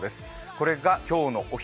これが今日のお昼。